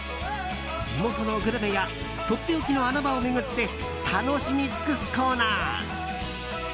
地元のグルメやとっておきの穴場を巡って楽しみ尽くすコーナー